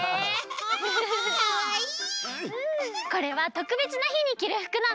これはとくべつなひにきるふくなの。